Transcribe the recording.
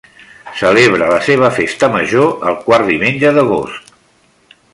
Celebra la seva Festa Major el quart diumenge d'agost.